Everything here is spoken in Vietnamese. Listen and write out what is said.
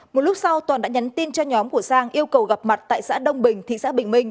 một lúc sau toàn đã nhắn tin cho nhóm của sang yêu cầu gặp mặt tại xã đông bình thị xã bình minh